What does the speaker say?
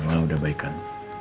mama udah baikan